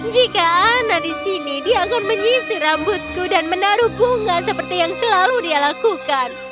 jika anak di sini dia akan menyisir rambutku dan menaruh bunga seperti yang selalu dia lakukan